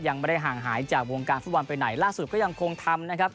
ยังไม่ได้ห่างหายจากวงการฟุตบอลไปไหนล่าสุดก็ยังคงทำนะครับ